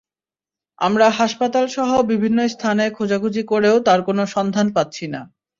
আমরা হাসপাতালসহ বিভিন্ন স্থানে খোঁজাখুঁজি করেও তাঁর কোনো সন্ধান পাচ্ছি না।